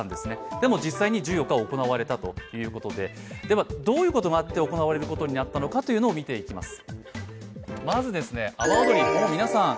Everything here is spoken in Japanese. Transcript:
でも実際に１４日、行われたわけででは、どういうことがあって行われることになったのか見ていきます。